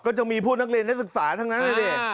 ก็จะมีผู้นักเรียนให้ศึกษาทั้งนั้นเลย